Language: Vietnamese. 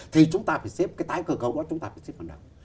thì chúng ta phải xếp cái tái cơ cấu đó chúng ta phải xếp vào đó